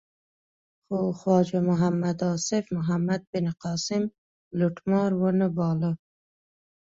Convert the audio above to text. خو خواجه محمد آصف محمد بن قاسم لوټمار و نه باله.